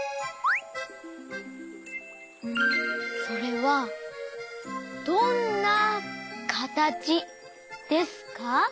それはどんなかたちですか？